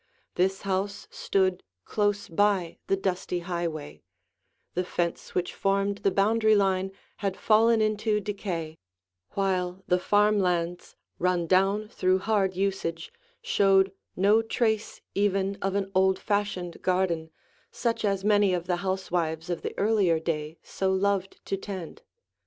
This house stood close by the dusty highway; the fence which formed the boundary line had fallen into decay, while the farm lands, run down through hard usage, showed no trace even of an old fashioned garden, such as many of the housewives of the earlier day so loved to tend.